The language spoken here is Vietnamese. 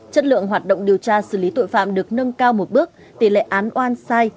chất lượng hoạt động điều tra xử lý tội phạm được nâng cao một bước tỷ lệ án oan sai